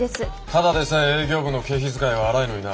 ただでさえ営業部の経費遣いは荒いのにな。